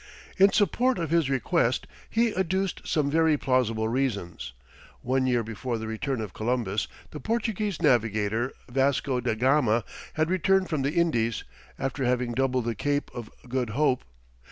In support of his request he adduced some very plausible reasons. One year before the return of Columbus, the Portuguese navigator, Vasco da Gama, had returned from the Indies, after having doubled the Cape of Good Hope.